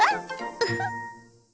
ウフッ。